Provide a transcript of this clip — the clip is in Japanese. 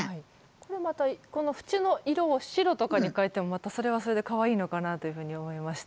これまたこの縁の色を白とかに変えてもまたそれはそれでかわいいのかなというふうに思いました。